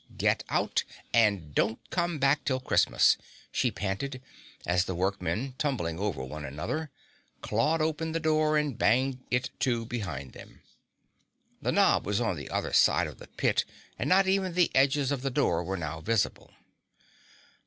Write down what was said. "Get out and don't come back till Christmas," she panted, as the workmen, tumbling over one another, clawed open the door and banged it to behind them. The knob was on the other side of the pit and not even the edges of the door were now visible.